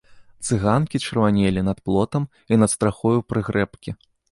Цыганкі чырванелі над плотам і над страхою прыгрэбкі.